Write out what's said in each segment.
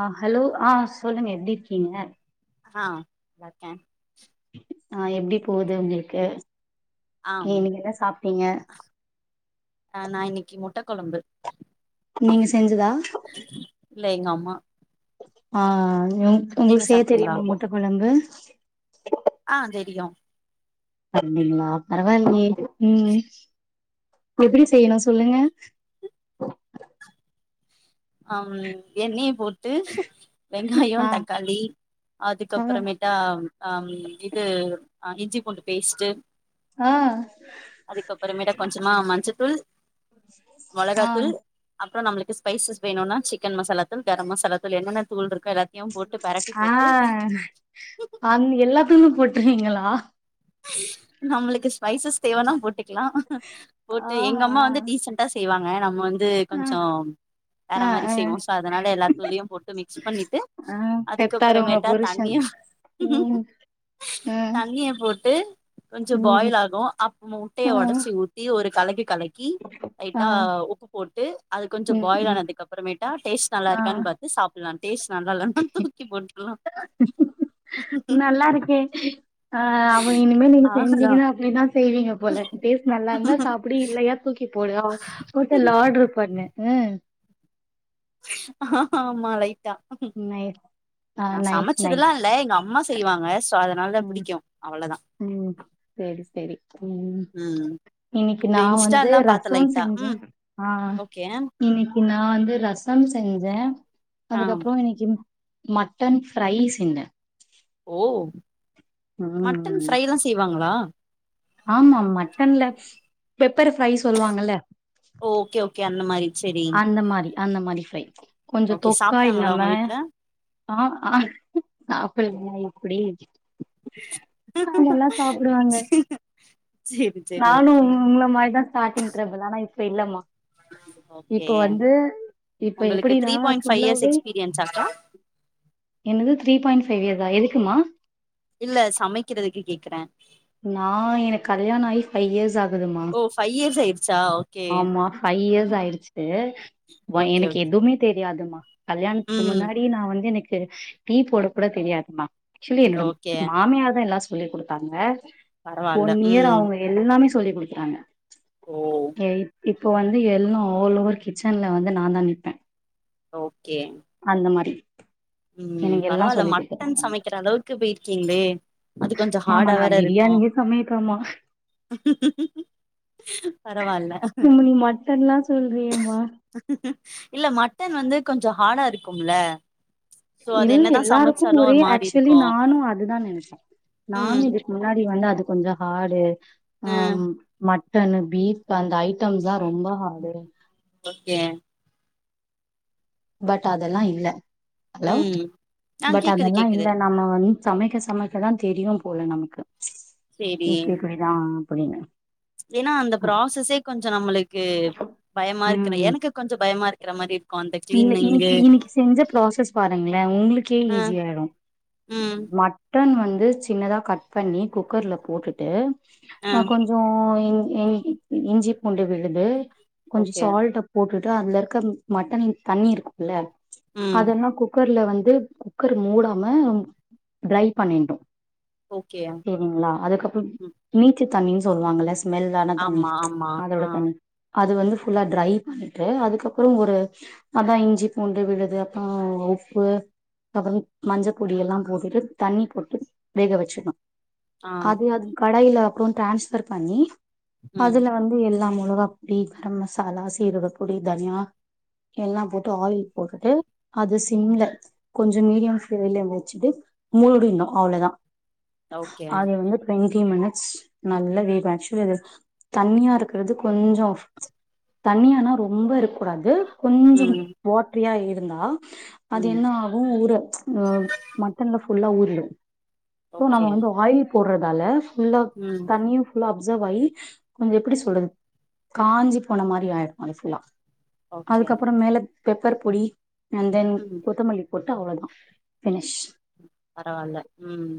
ஆ hello ஆ சொல்லுங்க எப்டி இருக்கீங்க ஆ நல்லாருகே ஆ எப்டி போது உங்களுக்கு ஆம் நீங்க என்ன சாப்ட்டீங்க ஆ நா இன்னைக்கி முட்ட கொழம்பு நீங்க செஞ்சதா இல்ல எங்க அம்மா ஆ நீங்க உங்களுக்கு செய்ய சாப்ட்டீங்களா தெரியுமா முட்ட கொழம்பு ஆ தெரியு அப்டிங்களா பரவாலயே ம் எப்டி செய்யணு சொல்லுங்க ஆம் எண்ணெய போட்டு வெங்காயோ ஆ தக்காளி அதுக்கு ஆ அப்புறமேட்டா ஆ ம் இது ஆ இஞ்சி பூண்டு பேஸ்ட்டு ஆ அதுக்கப்புறமேட்டா கொஞ்சமா மஞ்சத்தூள் ஆ அப்பற நம்மளுக்கு ஸ்பைசஸ் வேணுனா சிக்கன் மசாலா தூள் கரம் மசாலா தூள் என்னென்ன தூள் இருக் ஆ எல்லா தூளும் போட்டுருவிங்களா நம்மளுக்கு ஸ்பைசஸ் தேவனா போட்டுக் கலா போட்டு எங்க ஆஹா அம்மா வந்து டீசண்டா செய்வாங்க நம்ம வந்து ஆ கொஞ்சொ வேற ஆ மாரி ஆ செய்வோ சோ அதனால எல்லா தூள்லயு போட்டு மிக்ஸ் பண்ணிட்டு ஆ பெத்தாரு உங்க அதுக்கப்புறமேட்டா புருஷன் தண்ணியு ம் ம் தண்ணிய போட் டு கொஞ்ச பாயில் ம் ஆகு அப் முட்டய ஆ உடச்சி ஊத்தி ஒரு கலக்கு கலக்கி ஆ லைட்டா உப்பு போட்டு அது கொஞ்ச ம் பாயில் ம் ஆனதுக்குப்பறமேட் ட டேஸ்ட் நல்லா ஆ இருக்கான் பாத்து சாபலா டேஸ்ட் நல்லா இல்லனா தூக்கி போட்டுறலா நல்லா இருக்கே ஆ இனிமே நீங்க அவ்ளதா செஞ்சீங்கன்னா அப்டிதா செய்வீங்க போல டேஸ்ட் நல்லா இருந்தா சாப்டு இல்லையா தூக்கிப் போடு ஹோட்டல்ல ஆட்ரு பண்ணு ம் ஆமா லைட் நைஸ் ஆ நா நைஸ் சமைச்சதுல்லா நைஸ் இல்ல எங்க அம்மா செய்வாங்க சோ அத னால ம் பிடிக்கு அவ ம் சரி சரி ம் ம் இன்னிக்கு இந்த நா வந்து இன்ஸ்டால்லா பாத்த ரசோ லைட்டா செஞ்சே ம் ஆ ஓகே இன்னிக்கு நா நா வந்து ரசம் செஞ்சே ஆ அதுக்கப்புற இன்னிக்கு மட்டன் ஃபிரை செஞ்ச ஓ மட்டன் ஃபிரைல்லா செய்வாங்களா ஆமா மட்டன்ல பெப்பர் ஃப்ரை சொல்லுவாங்கல ஓ ஓகே ஓகே அந்த மாரி செரி அந்த மாரி அந்த மாரி ஃபிரை கொஞ்சொ ஓகே தொக்கா சாப்ட்டாங்களா இல்லாம உங்க வீட்ல ஆ ஆ அப்படி லா எப்டி [inaudible] செரி நானு ஓகே உங்கள மாரிதா ஸ்டார்டிங் ட்ரபிள் ஆனா இப்ப இல்லம்மா ஓகே இப்போ வந்து இப்ப உங்களுக்கு எப்படி த்ரீ நானா பாயிண்ட் ஃபைவ் இயர்ஸ் ஃபுல்லாவே எக்ஸ்பீரியன்ஸ் ஆக்கா என்னது த்ரீ பாயிண்ட் ஃபைவ் இயர்ஷா எதுக்குமா இல்ல சமைக்கிறதுக்கு கேக்குற ஃபை இயர்ஸ் ஆகுதுமா ஓ ஃபைவ் இயர்ஸ் ஆயிடுச்சா ஓகே ஆமா ஃபைவ் இயர் இது ஆயிடுச்சு ஓகே பையனுக்கு ஓகே எதுவுமே தெரியாதுமா கல்யாணத்துக்கு ம் முன்னாடி நான் வந்து எனக்கு செரி டீ போட கூட தெரியாதுமா ஆக்சுவலி என்னோட ஓகே மாமியா தான் எல்லாம் சொல்லி் கொடுத்தாங்க பரவால்ல ஒன் இயர் ம் அவுங்க எல்லாமே சொல்லிக் குடுத்துத்தாங்க ஓ ம் இப்போ வந்து எல்லாம் ஆல் ஓவர் கிச்சன்ல வந்து நான் தான் நிப்பேன் ஓகே ம் எனக்கு எல்லா பரவால்ல சொல்லி மட்டன் குடுத்துட்டாங்க அவங்க சமைக்கிற அளவுக்கு போயிருக்கீங்களே அது கொஞ்சம் மாமா நா ஹார்டாவேர இருக்கும் பிரியாணியே சமைப்பேமா ம் ம் ம் ம் இதுல நீங்க மட்டன்ல்லாம் சொல்றீங்கம்மா இல்ல மட்டன் வந்து கொஞ்சம் ஹார்டா இருக்கும்ல சோ அது இல்ல என்னதா எல்லாருக்கும் சமைச்சாலு ஒரே ஒரு மாரி ஆக்சுவலி இருக்கு நானும் அதுதான் நனைச்சேன் ம் நானும் இதுக்கு முன்னாடி வந்து அது கொஞ்சம் ஹார்டு அ மட்டன் பீப் இப்ப அந்த ஐட்டம்ஸ் தான் ரொம்ப ஹார்ட் ஓகே பட் அதெல்லாம் இல்ல ஹலோ ம் ஆ பட் கேக்குது அதெல்லாம் கேக்குது இல்ல நாம வந்து சமைக்க சமைக்கதான் தெரியும் போல நமக்கு சேரி இப்பிடி இப்பிடிதான் அப்பிடின்னு ஏன்னா அந்த ப்ராசஸே கொஞ்சம் நம்மளுக்கு பயமா இருக்குது ம் எனக்கு கொஞ்சம் பயமா இருக்கிற மாரி இருக்கும் அந்த இல்ல கிளீனிங்கு இன்னிக்கு இன்னிக்கு செஞ்ச ப்ராசஸ் பாருங்களே உங்களுக்கே அ ஈஸியாயிடும் ம் மட் மட்டன் வந்து சின்னாத கட் பண்ணி குக்கர்ல போட்டுட்டு அ கொஞ்சம் இஞ்சி பூண்டு விழுது கொஞ்சம் ஓகே சால்ட்ட போட்டுட்டு அதுல இருக்க மட்டன் தண்ணி இருக்கும்ல்ல ம் அதெல்லாம் குக்கர்ல வந்து வந்து குக்கர் மூடாம டிரை பண்ணினோம் ஓகே சரிங்களா அதுக்கப்பறம் ம் நீச்ச தண்ணின்னு சொல்லுவாங்கல ஸ்மெல் ஆன தண்ணி ஆமா ஆமா அததுோட ஆ தண்ணி அது வந்து ஃபுல்லா டிரை பண்ணிட்டு அதுக்கப்பற ஒரு அதா இஞ்சி பூண்டு விழுது அப்பறோ உப்பு அப்பற மஞ்ச பொடிய எல்லா போட்டுட்டு தண்ணி போட்டு வேக வச்சுடுவ ஆ அது அது கடையில அக்கவுண்ட் டிரான்ஸ்வர் பண்ணி ம் அதுல வந்து எல்லாமே மொளகாப்பொடி கரம் மசாலா சீரகப்பொடி தனியா எல்லா போட்டு ஆவி போட்டுட்டு அது சிம்ல கொஞ்ச மீடியம் ஃபிளேம்ல வச்சிட்டு மூடனும் அவ்ளோதா ஓகே அத வந்து [unintelligible] த்தீரி மினிட்ஸ் நல்லா வேக வச்சி அது தண்ணியா இருக்கறது கொஞ்ச தண்ணியானா ரொம்ப இருக்கக்கூடாது கொஞ்ச ம் வாஅட்ரியா இருந்தா அது ம் என்ன ஆகும் ஊற ச் மட்டன்ல ஃபுல்லா ஊறிடு அப்போ நம்ம ஓகே வந்து ஆயில் போடறதாலா ஃபுல்லா ம் தண்ணியு ஃபுல்லா ஆப் அப்சர்வாய் கொஞ்ச இப்பிடி சொல்றது காஞ்சி போன மாரி ஆயிடு அது ஃபுல்லா ஓகே அதுக்கப்பற மேல பெப்பர் பொடி அண் தென் ம் கொத்தமல்லி பொட் அவ்வளோதா ஃபினிஷ் பரவாயில்ல ம்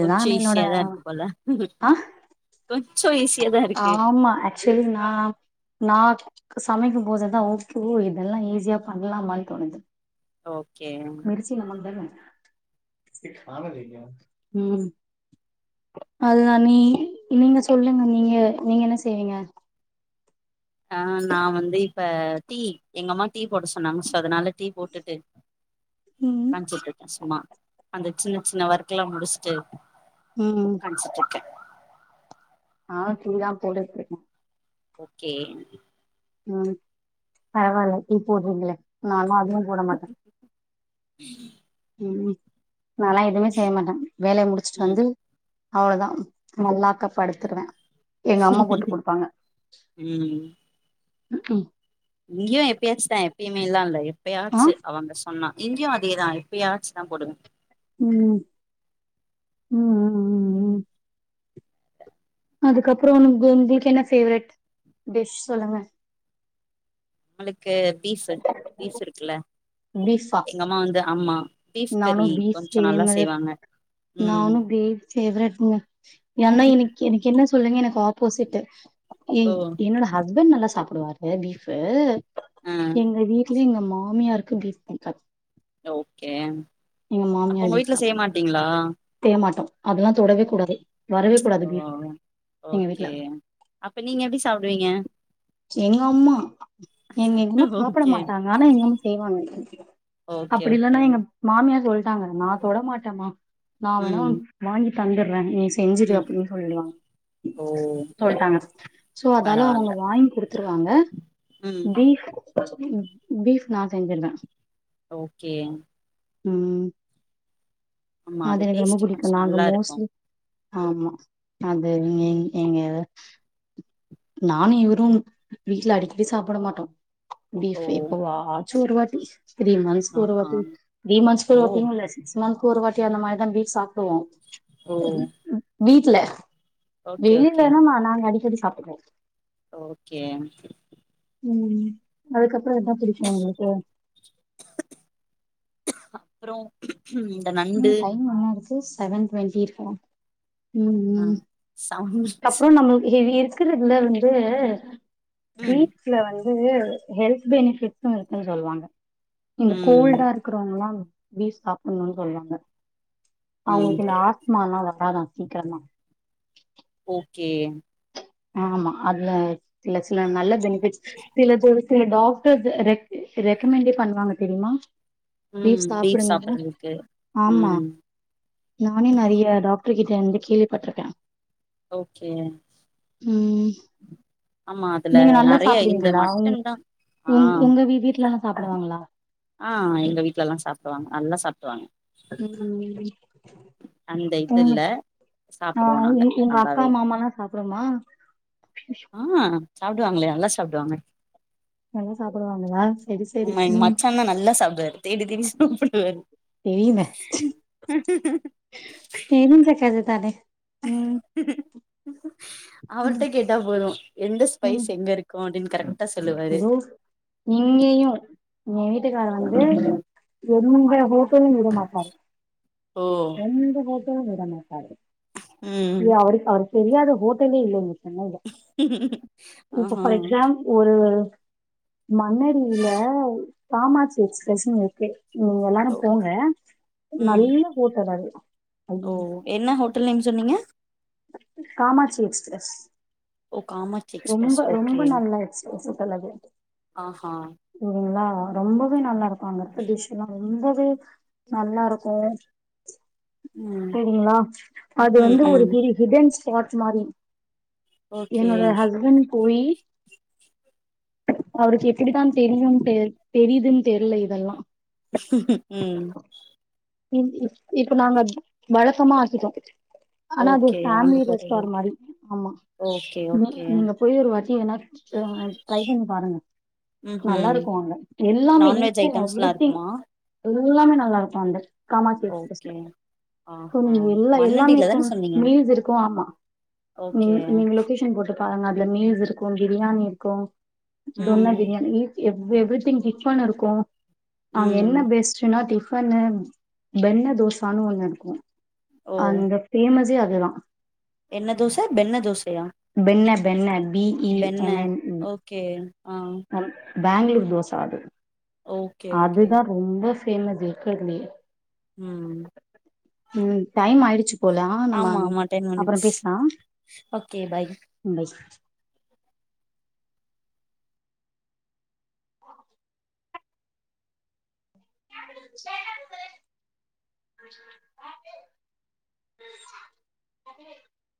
கொஞ்ச என்னோட ஈசியாதா இருக்கு போல ம் ம் ஆ கொஞ்ச ஈஸியாதா இருக்கு செரி நா நா சமைக்கும் போதுதா உ ஓ இதெல்லா ஈஸியா பண்ணலாமான்னு தோணுது ஓகே மிர்ச்சி [inaudible] ம் அதுதா நீ நீங்க சொல்லுங்க நீங்க நீங்க என்ன செய்வீங்க ஆ நா வந்து இப்ப டீ எங்கம்மா டீ போட சொன்னாங்க சோ அதனால டீ போட்டுட்டு ம் [unintelligible] சும்மா அந்த சின்ன சின்ன ஒர்க்லா முடிச்சிட்டு ம் உக்காஞ்சிட்ருக்கே ஆ டீ தா போட்டுருக்கே ஓகே இ பரவால்ல டீ போட்றீங்களே நாலா அதுவும் போட மாட்ட ம் நாலா எதுவுமே செய்ய மாட்ட வேலைய முடிச்சுட்டு ம் வந்து அவ்ளொதா மால்லாக்க படுத்துருவ எங்க அம்மா போட்டு குடுப்பாங்க ம்ம் இங்கியு எப்பயாச்சு தா எப்பய்மேல்லா இல்ல ஆ எப்பயாச்சு அவங்க சொன்னா இங்கியு அதேதா எப்பயாச்சு தா போடுவ ம் ம் ம் ம் ம் அதுக்கப்றோ [unintelligible] வீட்ல என்ன ஃபேவரட் டிஷ் சொல்லுங்க நம்மளுக்கு பீஃபு பீஃப் இருக்குல்ல பீஃபா ஆம்மா பீஃப் நானு கரி பீஃப் கொஞ்சொ நல்லா ஃபேவரட் செய்வாங்க ம் நானு பீஃப் ஃபேவரெட்ங்க ஏன்னா இன்னிக்கி எனக்கு என்ன சொல்லுங்க எனக் பாப்போசிட்டு ஓ என்னோட ஹஸ்பண்ட் நல்லா சாப்புடுவாரு பீஃப்வு ஆ எங்க வீட்ல எங்க மாமியாருக்கு பீஸ் புடிக்காத் ஓகே அப்ப உங்க வீட்ல செய்ய மாட்டீங்களா தேமாட்டோ அதெல்லா தொடவே கூடாது வரவே கூடாது ஓ பீஃப் எங்க வீட்ல ஓகே அப்ப நீங்க எப்டி சாப்டுவீங்க எங்க அம்மா எங் எங்கம்மா சாப்புட ஓகே மாட்டாங்க ஆனா எங்கம்மா செய்வாங்க ஓகே அப்புடி ஓகே இல்லன்னா எங்க மாமியார் சொல்டாங்க நா தொட மாட்டேமா நா வேணா ம் வாங்கி தந்துற்ற நீ செஞ்சுடு ம் அப்டினு சொல்லுவாங்க ஓ சொல்லிட்டாங்க சோ அதால பரவால்ல அவங்க வாங்கி குடுத்துருவாங்க ம் பீஃப் பீஃப் நா செஞ்சுடுவ ஓகே ம் ஆமா அது எனக்கு ரொம்ப டேஸ்ட் கொஞ்சோ புடிக்கு நாங்க நல்லா இருக்கு மோஸ்ட்லி ஆமா அது எங் எங்க நானு இவரு வீட்டுல அடிக்கடி சாப்புட மாட்டோ ஓ பீஃப் எப்ப வா சு ஒருவாட்டி திரி மந்த்ஸ் ஒரு ஆஹா வாட்டி திரி மந்த்ஸ் ஒரு ஓ வாட்டி கூட இல்ல சிக்ஸ் மந்த்ஸ் ஒரு வாட்டி அந்த மாரிதான் பீஃப் சாப்புடுவோ ஓ வீட்ல ஓகே வெளில ஓகே நா நாங்க அடிக்கடி சாப்புடுவோ ஓகே ம் அதுக்கப்றோ என்ன புடிக்கு உங்குளுக்கு அப்றோ இந்த நண்டு டைம் என்ன இருக்கு செவன் டுவன்டி இருக்கு ம் ஆ ம் சவுண்ட் அப்றோ நம்மளுக்கு ஹெவி கிருகுல வந்து ம் பீச்ல வந்து ஹெல்த் பெனிபிட்ஸ்சு இருக்குன்னு சொல்லுவாங்க இந்த ம் கோல்டா இருக்குறவுங்களா பீஃப் சாப்புட்னுன்னு சொல்லுவாங்க ம் அவங்களுக்கு இந்த ஆஸ்துமால்லா வ ராதா சிக்கிரமா ஓகே ஆமா அதுல இல்ல சில நல்ல பெனிஃபிட்ஸ் சிலது இப்ப ஒரு சில டாக்டர்ஸ் ரெக் ரெக்கமெண்டே பண்ணுவாங்க தெரியுமா ம் பீஃப் சாப்புடுங்க சாப்பட்றதுக்கு ஆமா ம் நானே நறைய டாக் ட்ரு கிட்டந்து கேள்விப்பட்ருக்கேன் ஓகே ம் ஆமா அதுல நீங்க நல்லா நறைய இந்த சாப்பிடுவீங்களா உங் மட்டன் தா உங் ஆ உங்க வீட் வீட்லல்லா சாப்புடுவாங்களா ஆ எங்க வீட்லல்லா சாப்புடுவாங்க நல்லா சாப்புடுவாங்க ம் அந்த இது ம் இல்ல ஆ சாப்டுவோ நாங்க எ எங்க அக்கா நல்லாவே மாமால்லா சாப்புடுமா ஆ சாப்டுவாங்களே நல்லா சாப்டுவாங்க நல்லா சாப்பிடுவாங்களா சரி சரி அமா எங்க ம் மச்சான் தா நல்லா சாப்டுவாரு தேடி தேடி சாப்பிடுவாரு இனிமே [unintelligible] செஞ்சு தாரே [inaudible] அவர்ட்ட ம் கேட்டா போது எந்த ஸ்பைஸ் எங்க இருக்கு அப்டின்னு கரெக்டா சொல்லுவாரு தோ இங்கேயு எங்க வீட்டுக்கார வந்து எந்த தேயு விடமாட்டாரு ஓ எந்த ஹோட்டலு விட மாட்டாரு ம் இல்ல அவருக் அவருக்கு தெரியாத ஹோட்டல்லே இல்லைங்க இப்ப ஆஹா ஃபார் எக்ஸாம்ப் ஒரு மன்னடியில காமாட்சி எக்ஸ்பிரஸ்ஸுன்னு இருக்கு நீங்க எல்லாரு ஓ போங்க நல்ல ம் ஹோட்டல் அது ஓ அமா என்ன ஹோட்டல் நேம் சொன்னீங்க காமாட்சி எக்ஸ்பிரஸ் ஓ காமாட்சி ரொம்ப எக்ஸ்பிரஸ் ரொம்ப நல்லா எக்ஸ்பிரஸ் ஹோட்டல் அது ஆஹ்ஹா அங்க ரொம்பவே நல்லா இருக்கு அங்க இருக்க டிஷ் எல்லா ரொம்பவே நல்லா இருக்கு ம் சேரிங்களா அது ம் வந்து ஒரு ம் பெரிய ஹிட்டன் ஸ்பாட் மாரி ஓகே என்னோட ஹஸ்பண்ட் போயி அவருக்கு எப்டித்தா தெரியுன்ட்டு தெரியுதுன்னு தெரில இதெல்லா [inaudible] உம் இம் இப் இப்ப நாங்க வழக்கமா ஆக்கிட்டோ ஆனா அது ஓகே அங்க ஃபேமிலி போறது ரெஸ்டார் மாரி ஆமா ஓகே நீ ஓகே நீங்க போயு ஒரு வாட்டி என்னா என்ன ட்ரை பண்ணி பாருங்க ம் நல்லா ம் இருக்கு அங்க எல்லாமே நான்வெஜ் ஈச் அண்ட் ஐட்டம்ஸ்லா எவ்ரி திங் இருக்குமா எல்லாமே இல்லாம நல்லா இருக்கு அந்த காமாட்சி எக்ஸ்பிரஸ்ல ஓகே ஆஹா நீங்க எல்லா எல்லாமே மண்ணடில இருக்கு தான சொன்னீங்க மீல்ஸ் இருக்கு ஆமா நீங் ஓகே நீங்க லொக்கேஷன் போட்டு பாருங்க அதுல மீஸ் இருக்கு பிரியாணி இருக்கு ம் துன்ன பிரியாணி எக் [unintelligible] டிஃபன் இருக்கு அங்க ம் என்ன பெஸ்ட்னா டிஃபன்னு பெண்ணு தோசான்னு ஒண்ணு இருக்கு ஓ அந்த பேஃபஸே அதுதா என்ன தோசைபென்ன தோசையா பெண்ண பெண்ண B E benne N N okay ஆ அ பேங்களூர் தோசா அது ஓகே ஓகே அதுதா ரொம்ப ஃபேமஸ் இருக்கதுலயே ம் ம் டைம் ஆயிடு போலா நம்ம ஆமா ஆமா டென் அப்புறோ மினிட்ஸ் பேச்லா ஓகே பாய் பய் [unintelligible] அ